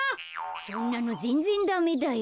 そんなのぜんぜんダメだよ。